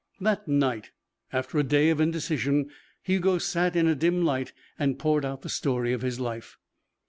That night, after a day of indecision, Hugo sat in a dim light and poured out the story of his life.